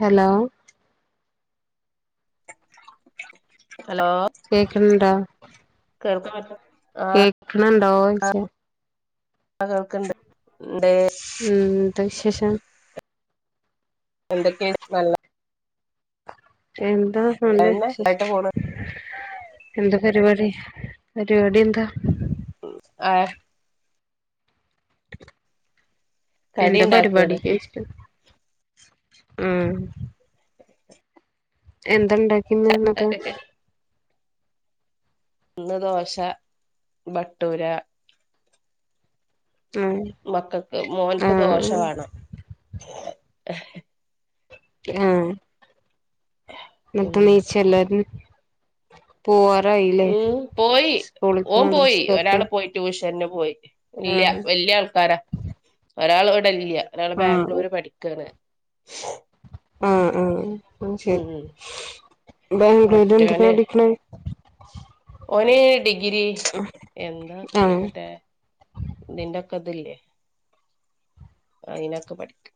Hello hello കേക്ക്ണ്‌ണ്ടോ കേൾക്ക്ണൊക്കെണ്ട് കെക്ക്ണ് ണ്ടൊയ്ച്ച ആഹ് കേൾക്ണ്ട് ഇണ്ട് ഉം ന്താ വിശേഷം എന്തൊക്കെണ് നല്ല എന്താ നല്ല നല്ലതന്നെ ആയിട്ട് വിശേഷം പോണ് എന്താ പര് വാടി പരിവാടി എന്താ ഉം ആഹ് ഉം കടി എന്താ പരിപാടി ഉണ്ടാക്കാണ് കെയ്ച്ച്ട്ട് ആഹ് എന്താണ്ടാക്കിന്ന് ന്നട്ട് ഇന്ന് ദോശ ബട്ടൂര ഉം മക്കക്ക് മോൻക്ക് ആഹ് ദോഷവാണം ആഹ് ന്നട്ട് ഉം നീച്ചെല്ലാരും പോവാറായി ഉം പോയി ഓം പോയി മദ്രസക്കൊക്കെ ഒരാള് പോയി ട്യൂഷന്ന് പോയി ഇല്ല്യ ആഹ് വല്യ ആൾക്കാരാ ഒരാള് വെടല്ല്യ ഒരാള് ആഹ് ബാംഗ്ലൂര് പഠിക്കാണ് ആഹ് ആഹ് ശെരി ഉം ബാംഗ്ലൂരെന്തിനാ മറ്റോന് ടിക്ക്ണെ ഓന് ഡിഗ്രി എന്താ ഈഹ് ആഹ് മറ്റേ ഇതിന്റെക്കതില്ലേ അയ്നൊക്കെ പഠിക്ക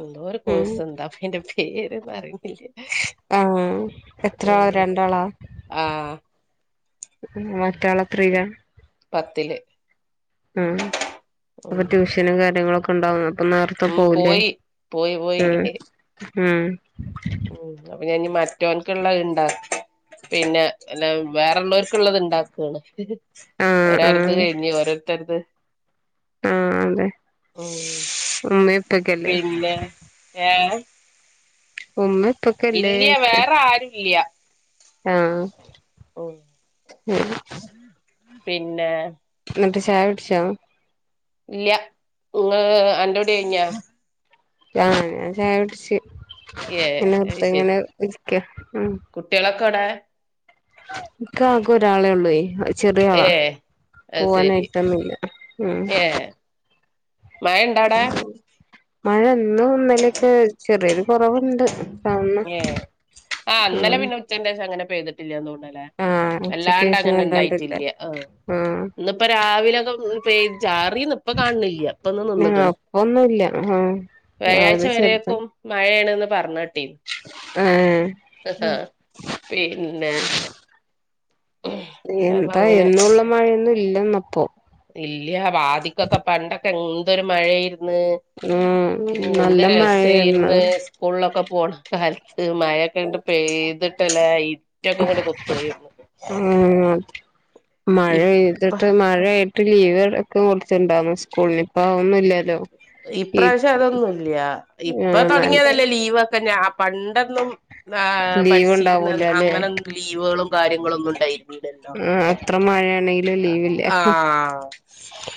എന്തോരു ഉം കോഴ്സ് എന്താപ്പയ്ന്റെ പേര്പ്പൊ അറിണില്യ ആഹ് എത്രാളാ രണ്ടാളാ ആഹ് മറ്റാളെത്രീല പത്ത്ല് ഉം അപ്പൊ ട്യൂഷനും കാര്യങ്ങളൊക്കെ ഉണ്ടാവും അപ്പനേർത്തെ ഉം പോവല്ലേ പോയി പോയി പോയി ഉം ഉം ഉം അപ്പൊഞാഞ് മറ്റൊൻക്ക്ള്ളെ ഇണ്ടാക്ക പിന്നെ എല്ല വേറെള്ളൊർക്ക്ള്ളത് ണ്ടാക്കാണ് ആഹ് ഒരാള്ത് ആഹ് കയ്ഞ്ഞ് ഓരോര്ത്തര്ത് ആഹ് അതെ ഉം ഉമ്മേം ഉപ്പക്കല്ലേ പിന്നെ ഏഹ് ഒന്ന് ഇല്ല്യ വേറാരുല്ല്യ ആഹ് ഉം പിന്നെ ന്നട്ട് ചായൊട്‌ച്ചൊ? ഇല്ല്യ പിന്നെ അന്റുടിയ്ഞ്ഞ? ആഹ് ഞൻ ചായൊട്ച് ഏഹ് പിന്നെ പ്പങ്ങനെ ഇര്ക്ക ഉം കുട്ട്യാളൊക്കൊടെ ഇക്കാകൊരാളെള്ളയ് ചെറിയ ആളാ ഏഹ് അത് ശരി പോവാനയ്ട്ടൊന്നില്യ ഉം ഏഹ് മഴ ഇണ്ടവിടെ മഴ ന്നും ഇന്നലേക്കെ ചെറിയൊരു കൊറവ്ണ്ട് ഏഹ് ആഹ് ഇന്നലെ ഉം പിന്നെ ഉച്ചന്റെശങ്ങനെ പെയ്തിട്ടില്ലതോണലേ ആഹ് ഉച്ചക്ക് ശേഷം വല്ലാണ്ടില്ല വല്ലാണ്ടങ്ങനെണ്ടായ്റ്റില്യ ആഹ് ആഹ് ഇന്ന്പ്പ രാവിലൊക്കെ പെയ് ചാറിന്ന്പ്പകാണില്ല്യ ഇപ്പന്ന് നിന്ന്ക്ക്ണ് അപ്പൊന്നുല്ല്യ ആഹ് രാവിലെ ചെറുത വ്യാഴാഴ്ച്ചവരെക്കും മയേണെന്ന് പർഞ്ഞെട്ടീന്ന് ഏഹ് ആഹ് പിന്നെ അപ്പൊ എന്താ അങ്ങനെ എന്നുമ്മള്ള മഴയൊന്നും ഇല്ലന്നപ്പോ ഇല്ല വാദിക്കൊക്കെ പണ്ടൊക്കെ എന്തൊരു മഴയാരുന്ന് ഉം നല്ല എന്താ മഴയായിരുന്നു രസമായിരുന്ന് സ്കൂളിലൊക്കെ പോണം കാലത്ത് മഴൊക്കെ ഇണ്ട് പെയ്തിട്ടല്ലേ കുറ്റക്കെ ഇങ്ങോട്ട് കൊത്തുയിരുന്നു ഉം മഴെ പെയ്തിട്ട് മഴ ആയിട്ട് ലീവ്ക്കെ കൊടുത്തുണ്ടാവുന്നു സ്കൂളിന ഇപ്പഅതൊന്നുമില്ലല്ലോ ഇപ്രാവശ്യം അതൊന്നുല്ല ഇപ്പൊ ആഹ് നല്ല തുടങ്ങിയതല്ലേ ലീവ്ക്കെ ഞാ ആ പണ്ടൊന്നും ആ ലീവ് പഠിച്ചിരുന്ന ഉണ്ടാവൂലല്ലേ അങ്ങനെ ലീവുകളും കാര്യങ്ങള ഒന്നും ഉണ്ടായില്ല ല്ല ആഹ് എത്ര മഴയാണെങ്കിലും ലീവില്ല ആഹ്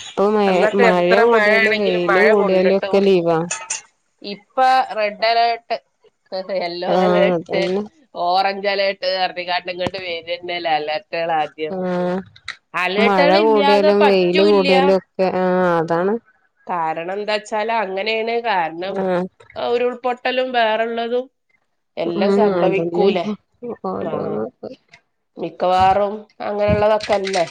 ഇപ്പൊ മഴ അന്നൊക്കെ മഴ എത്ര കൂടിയാലും മഴയാണെങ്കിലും വെയില് മഴ കൂടിയാലും കൊണ്ടിട്ടും ഒക്കെ ലീവാ ഇപ്പൊ red alert yellow ah alert അതന്നെ ഓറഞ്ച് അലേർട്ട് അറിക്കാട്ട് ഇങ്ങോട്ട് വേരുന്നല അല്ല ആഹ് മഴ അലേർട്ടുകൾ ഇല്ലാതെ കൂടിയാലും വെയിൽ പറ്റൂല്ല കൂടിയാലും ഒക്കെ ആ അതാണ് കാരണം എന്താ വച്ചാല് അങ്ങനെയാണ് കാരണം ആഹ് ഉരുൾപൊട്ടലും വേറള്ളതും ഉം അതന്നെ ആഹ് മിക്കവാറും അങ്ങനെയുള്ളതൊക്കെല്ലേ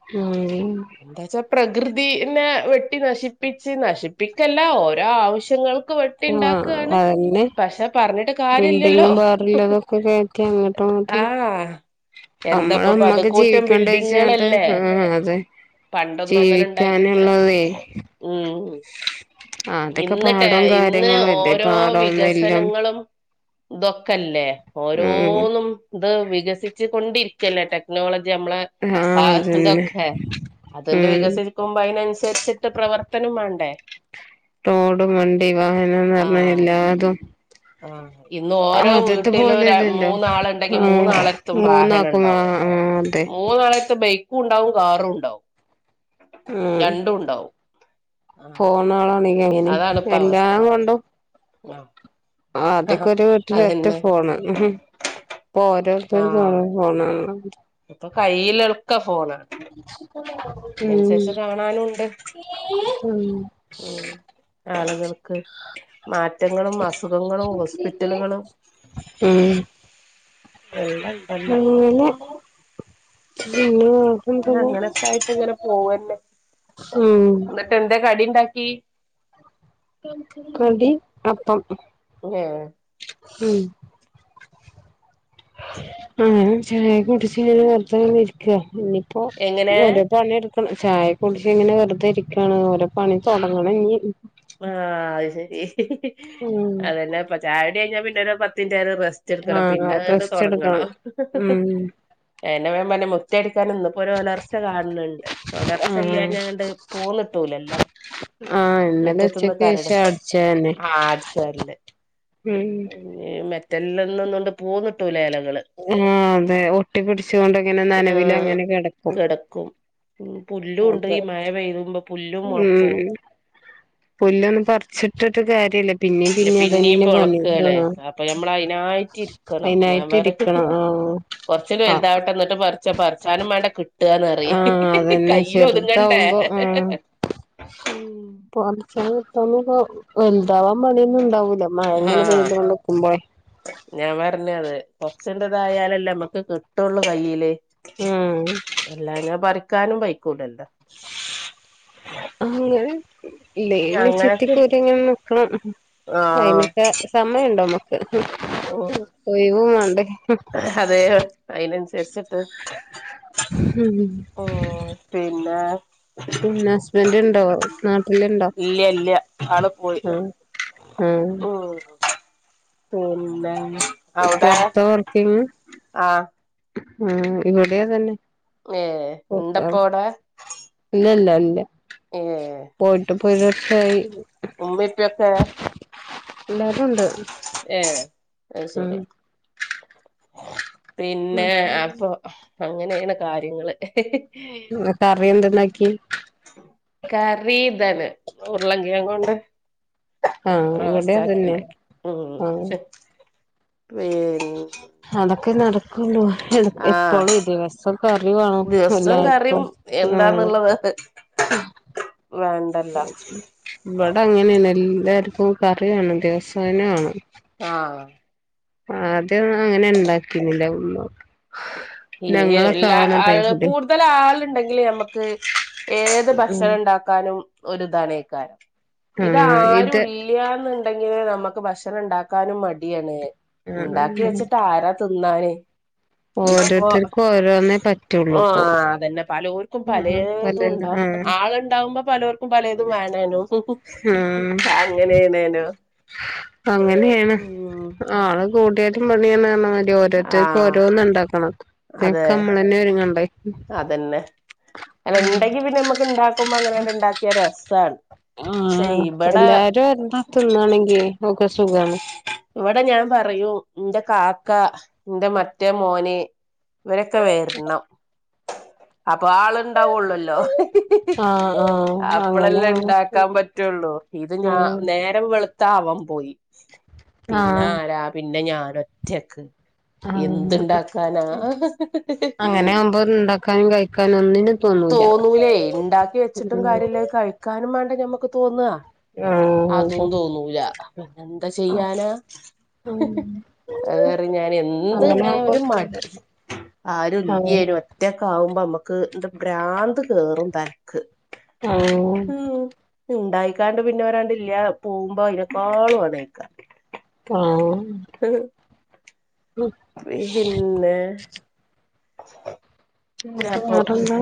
ഉം എന്താന്ന് വച്ചാൽ പ്രകൃതിനെ വെട്ടി നശിപ്പിച്ച് നശിപ്പിക്കല്ല ഓരോ ആവശ്യങ്ങൾക്ക് വെട്ടുവ ആഹ അതന്നെ കാര്യല്ലല്ലോ ബിൽഡിങ്ങും [unintelligible] അങ്ങോട്ടുമിങ്ങോട്ടും ആഹ് നമ്മള എന്താപ്പ അമ്മക്ക് പടുകൂറ്റം ജീവിക്കണ്ടെ വച്ചിട്ട് ബിൽഡിങ്ങുകളല്ലേ ആഹ് അതെ പണ്ടൊന്നും അങ്ങനെ ഇണ്ടായിരുന്നീല ജീവിക്കാനുള്ളത് ഉം ആതൊക്കെ ഇന്ന് ടെ പാടം കാര്യ ഇന്ന് ഓരോ വികസനങ്ങളും ഇദൊക്കല്ലേ ഓരോ. ഉം ഇത് വികസിച്ച കൊണ്ടിരിക്കല്ലേ ടെക്നോളജി നമ്മടെ ആഹ് അതന്നെ [unintelligible] അതെണ്ട് ഉം വികസി [unintelligible] അതിനനുസരിച്ചിട്ട് പ്രവർത്തനം വേണ്ടേ റോഡും വണ്ടി വാഹനന്ന് പറഞ്ഞാ എല്ലാതും ആഹ ഇന്ന് ഓരോ ആദ്യത്തെ വീട്ടിലും പോലെല്ലല്ലോ മൂന്നാളുണ്ടെങ്കി ഉം മൂന്നാളടുത്തും വാഹനം മൂന്നാക്കും ആ ഉണ്ടാവും ആ അതെ മൂന്നാൾക്കും ബൈക്കും ഉണ്ടാവും കാറും ഉണ്ടാവും രണ്ടും ഉണ്ടാവും ആഹ് പോണാളാണ അങ്ങനെ അതാണിപ്പ അവസ്ഥ എല്ലാം കൊണ്ടും ആ ആഹ് അതൊക്കെ ഒരു വീട്ടില് ഒറ്റ അതന്നെ ഫോണ് ഉം ഇപ്പ ഓരോരുത്തർക്കും ആഹ് ഓരോഫോണ ഇപ്പൊ കയ്യില എടുക്ക ഫോണ് ഉം കാണാനുണ്ട് ഉം ഉം ആളുകൾക്ക് മാറ്റങ്ങളും അസുഖങ്ങളും ഹോസ്പിറ്റലുകളും ഉം എല്ലാം ഉണ്ടല്ലോ പിന്നെ ആ അങ്ങനൊക്കെ ആയിട്ട് ഇങ്ങനെ [unintelligible] ഉം എന്തേ കടി ഉണ്ടാക്കി കടി അപ്പം അതെയോ ഉം ആ ചായ കുടിച്ച് ങ്ങനെ വെർതെങ്ങനെ ഇരിക്ക ഇനിയിപ്പോ എങ്ങനെ ഓരോ പണി ട്ക്ക പ്പം ചായ കുടിച്ച് ങ്ങനെ വെറുതെ രിക്കാണ് ഓരോ പണി തൊടങ്ങണം ഞ്ഞി ആ അത് ശെരി ഉം അതെന്നെ പ്പോ ചായുടി കയ്ഞ്ഞാ പിന്നൊരു പത്ത്ൻറ്റേരം റസ്റ്റ് ച്ച്ട്ക്കണം ആഹ് പിന്നണ്ട് റസ്റ്റ് എടുക്കണം തൊടങ്ങണം ഉം അയെന്നെ ഞാ പർഞ്ഞെ മുറ്റടിക്കാന് ന്ന് ഒരൊലൊർച്ച കാൺണ്ണ്ട് ഒലർച്ചല്ലാ ആഹ് ഞ്ഞാങ്ങട്ട് പോന്ന്ട്ടൂലല്ലോ ആ ഇന്നലെ ഉച്ചക്കേശം അടിച്ചന്നെ ആ ഉം ഈ മെറ്റൽന്നൊന്നുങ്ങട്ട് പോന്ന്ട്ടൂലെലകള് ആ അതെ ഒട്ടി പിടിച്ചോണ്ട്ങ്ങനെ നനവിലങ്ങനെ കെടക്കും കെടക്കും ഉം പുല്ലുംണ്ട് അപ്പൊ ഈ മഴ പെയ്തുമ്പൊ പുല്ലും മൊൾക്കും ഉം പുല്ലൊന്നും പറിച്ചിട്ടിട്ട് കാര്യല്ല ഇപ് ന്നെ പിന്നിം മൊളക്കോലെ അപ്പൊ ഞമ്മളയ്നായിട്ട് ഇരിക്കണം ഞാൻ അയിനായിട്ട് പറ ഇരിക്കണം ആഹ് കൊർച്ചൊക്കെ ആഹ് വെൽതാവട്ടെ ന്ന്ട്ട് പർച്ച പറിച്ചാനും വാണ്ടേ കിട്ട ട്ടന്നറി ആഹ് അതന്നെ കയ്യ്ലൊത്ങ്ങണ്ടേ ചെറുതാവുമ്പോ ഉം പറിച്ചാൻ കിട്ടോ ന്ന്പ്പോ വെൽതാവാൻ പണിയൊന്നും ണ്ടാവൂല്ല മഴങ്ങനെ ആഹ് പെയ്തോണ്ട്ക്കുമ്പഴേ ഞാൻ പർഞ്ഞത് കൊർച്ച്ണ്ട്തായാലല്ലേ ഞമ്മക്ക് കിട്ടൊള്ളു കയ്യില് ആഹ് അല്ലാഞ്ഞാ പറിക്കാനും പൈക്കൂലല്ലോ അങ്ങനെ ലേ ഇങ്ങനെ ഞങ്ങക്ക് ചെത്തിക്കോരിങ്ങനെ നിക്കണം ആഹ് അയ്ന്പ്പൊ സമയണ്ടോ നമ്മക്ക് ഒയ്വ് വാണ്ടേ അതെയോ അയ്നൻസരിച്ചിട്ട് ഉം പിന്നെ പിന്നെ ഹസ്ബന്റ് ണ്ടോ നാട്ടില്ണ്ടോ ഇല്ല ഇല്ല ആള് പോയി ആഹ് ഉം പിന്നെ അവിടെ പൊർത്ത വർക്കിങ്ങ് ആഹ് ആ ഇവിടെ അതെന്നെ ഏ ണ്ടപ്പവ്ടെ ഇല്ലല്ല ഇല്ല ഏഹ് പോയിട്ട്പ്പൊരു വർഷായി ഉമ്മേം ഉപ്പേംയൊക്കെ എല്ലാരുണ്ട് ഏ അത് ശെരി പിന്നെ അപ്പൊ അങ്ങനെണ് കാര്യങ്ങള് ന്ന് കറി യെന്ത്ണ്ടാക്കി കറീ താണ് ഉർലങ്ങേങ്ങോണ്ട് ആഹ് ഇവിടെ നാസ്താക്കി അതന്നെ ണ്ടാക്കി ഉം ആഹ് പിൻ അതൊക്കെ നടക്കൊള്ളൂ എളു ആഹ് എപ്പളും ഇ ദിവ സ്സം കറി വാണം ദിവസവും എല്ലാർക്കും കറിയും ഉം എന്താന്നുള്ളത് വേണ്ടല്ലോ ഇവിടങ്ങനെണ് എല്ലാർക്കും കറി വേണം ദിവസേന വേണം ആ ആദ്യോന്നും അങ്ങനെ ണ്ടാക്കീന്നില്ല ഉമ്മ ഈ ഞങ്ങളൊക്കെ എല്ലാ ആവണ ആ ടൈമില് കൂടുതലാള്ണ്ടെങ്കില് ഞമ്മക്ക് ഏത് ഉം ഭക്ഷണം ണ്ടാക്കാനും ഒരുതാണേക്കാരം ആഹ് ഇതാരും ഇത് ഇല് ല്ലാന്ന്ണ്ടെങ്കില് നമ്മക്ക് ഭക്ഷണം ണ്ടാക്കാനും മടിയാണ് ണ്ടാക്കി ആഹ് വെച്ചിട്ട് ആരാ തിന്നാന് ഇതിപ്പോ ഓരോരുത്തർക്കും ഓരോന്നേ പറ്റുള്ളൂ ആഹ ഇപ്പൊ അതെന്നെ പലോ ൽക്കും ആഹ് പല പലേതും ണ്ടാവും ആഹ് ആള്ണ്ടാവുമ്പൊ പലോര്ക്കും പലേതും വേണേനും അങ്ങനേണേനും അങ്ങനെണ് ആള് കൂട്യാലും പണിയാണറഞ്ഞമാരി രി ഓരോരുത്തർക്കും ആഹ് ഓരോന്നും ണ്ടാക്കണം അതെ ഇതിനൊക്കെ നമ്മളെന്നെ ഒരുങ്ങണ്ടേ അതന്നെ അല്ല ഉണ്ടെങ്കി പിന്നെ നമ്മുക്ക് ഇണ്ടാക്കുമ്പോ അങ്ങനെണ്ട് ഇണ്ടാക്കിയ രസാണ് പക്ഷെ ആഹ് ഇവിടെ എല്ലാരും എന്താതിന്നാണെങ്കിലേ നമുക്കൊരു സുഖാണ് ഇവിടെ ഞാൻ പറയും ന്റെ കാക്ക ന്റെ മറ്റേ മോന് ഇവരൊക്കെ വരണം അപ്പൊ ആള് ണ്ടാവുള്ളല്ലോ ആഹ് ആഹ് അപ്പളെല്ലാം അങ്ങനെയാണ് ഉണ്ടാക്കാൻ പറ്റുള്ളൂ ഇത് ഞാ ഉം നേരം വെളുത്താ അവൻ പോയി പിന്നെ ആഹ് ആരാ പിന്നെ ഞാനൊറ്റക്ക് എന്ത് ആഹ് ഇണ്ടാക്കാനാ ഇണ്ടാക്കാനും കഴിക്കാനും ഒന്നിനും തോന്നൂല തോന്നൂലേ ഇണ്ടാക്കി ഉം വെച്ചിട്ടും കാര്യോം ഇല്ല കഴിക്കാനും വേണ്ടേ ഞമ്മക്ക് തോന്നുവാ ആഹാ അതും തോന്നൂല പിന്നെ എന്താ ചെയ്യാനാ അത് കാരണം ഞാൻ എന്ത് അങ്ങനെ ഇണ്ടായ ആവുമ്പോ ഒരു മടി ആരും ആഹ് ഇല്ലിയേനും ഒറ്റാക്കവുമ്പോ നമ്മക്ക് എന്ത് ഭ്രാന്ത് കേറും തലക്ക് ആഹ് [inaudible] ഹുംമ്മ് ഉണ്ടായിക്കാണ്ട് പിന്നെ ഒരാണ്ട് ഇല്ല പോകുമ്പോ അതിനെക്കാളും ഇതായ്ക്കാ ആഹാ [inaudible] പി ഹിന്നെ എന്താ വേറെന്താ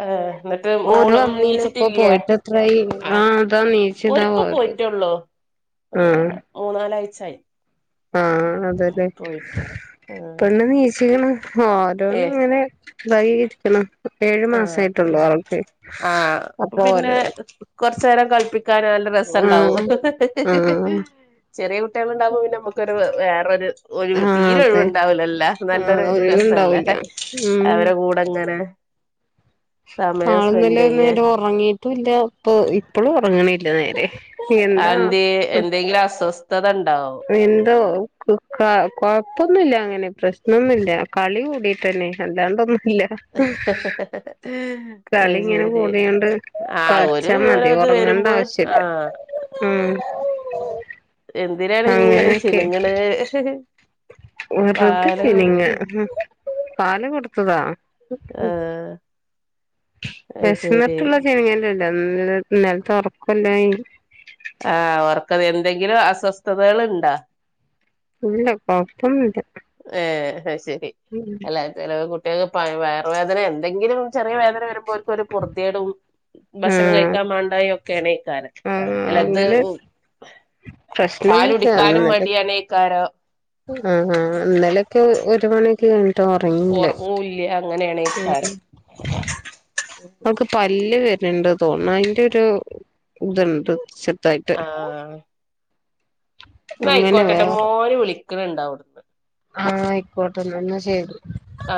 ഏ എന്നിട്ട് ഓര് മോള് വന്നീനു ഇപ്പൊ നീച്ചിട്ടില്ലയേ പോയിട്ട് എത്രായി ആ ആഹ് ഇതാ ഓര്പ്പ പോയിട്ടേ ഒള്ളൂ ഉം മൂന്നാലാഴ്ച ആയി ആഹ അതെല്ലേ ആഹ് പെണ്ണ് നീച്‌ക്ക്ണ് ഒരോന്ന് ഏഹ് ഇങ്ങനെ വൈകിരിക്കണ് ഏഴു മാസ ആയിട്ടുള്ളൂ അവൾക്ക് ആഹ അപ്പൊ പിന്നെ ഓരോ കൊറച്ചു നേരം കളിപ്പിക്കാന് നല്ല രസം ഉണ്ടാവും ആഹ് ആഹ് ചെറിയ കുട്ടികള് ഉണ്ടാവുമ്പോ പിന്നെ നമ്മക്കൊരു വേറെ ഒരു ഒഴുവ് ആഹ് തീരെ അതെ ഒഴിവുണ്ടാവില്ലലാ ആഹ് നല്ലൊരു രസല്ലേ ഒഴിവുണ്ടാവൂല ഉം അവരെ കൂടെ ങ്ങനെ ആള് ഇന്നല്ലേ ചെയ്യ നേരെ ഒറങ്ങിയിട്ടും ഇല്ല ഇപ്പ ഇപ്പളും ഒറങ്ങണു ഇല്ല നേരെ എന്താ അതെന്തേ എന്തെങ്കിലും അസ്വസ്ഥത ഉണ്ടാവും എന്തോ ക് ക കൊഴപ്പൊന്നുല്ല അങ്ങനെ പ്രശ്നൊന്നുല്ല കളി കൂടിയിട്ടേന്നെ അല്ലാണ്ടൊന്നുല്ല അഹ് കളി ഇങ്ങനെ ശരി കൂടിയോണ്ട് ആ ഒരു കളിച്ചാ ഓരോത് വരുമ്പോ ആഹ ഉംമ് എന്തിനാണ് ഇങ്ങനെ ചിണുങ്ങണ് വെറുതെ പാല് കൊടുത്ത് ചിണുങ്ങ പാല് കൊടുത്തതാ ആഹ് അത് ശരി വേശുന്നുട്ടുള്ള ചിണുങ്ങല്ലല്ല ഇന്നലത്തെ ഒറക്കോ ഇല്ലായി ആ അവർക്കത് എന്തെങ്കിലും അസ്വസ്ഥതകൾ ഉണ്ടാ ഇല്ല കൊഴപ്പൊന്നില്ല ഹേ ആഹ് ശരി അല്ല അല്ല കുട്ടികൾക്ക് പ വയറ് വേദനേ എന്തെങ്കിലും ചെറിയ വേദന വരുമ്പോഴേക്കും അവർക്കൊരു പൊറതികെടും ഭക്ഷണം ആഹ് കഴിക്കാൻ മണ്ടായൊക്കെക്കാരം അല്ലത് അങ്ങനെ പ്രശ്നൊന്നുല്ല പാലുടിക്കാനും മടിയാണേക്കാരം അഹ് ആ ഇന്നലക്കെ ഒരുമണി കഴിഞ്ഞിട്ടാ ഒറങ്ങിയുള്ളേ ഒറങ്ങൂല്ല ഉം അങ്ങനെയാണേക്കാരം അവക്ക് പല്ല് വരണ്ട് തോന്നുന്നു അതിന്റെ ഒരു ഇതുണ്ട് ശ ആ എന്നാ അങ്ങനെ ആയിക്കോട്ടെട്ടാ മോന് വിളിക്കണ് ഇണ്ടാവും ആഹ ആയിക്കോട്ടെന്നാ എന്നാ ശെരി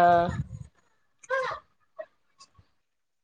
ആഹ